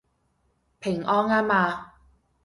平安吖嘛